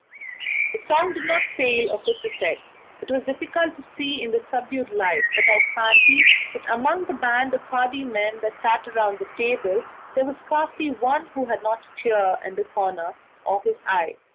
The song did not fail of its effect; it was difficult to see in the subdued light, but I fancy that among the band of hardy men that sat round the table there was scarcely one who had not a tear in the corner of his eye.